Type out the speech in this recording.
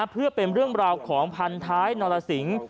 เพื่อเป็นเรื่องของพันธายนนรสิงค์